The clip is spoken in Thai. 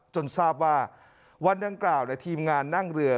ทราบว่าวันดังกล่าวทีมงานนั่งเรือ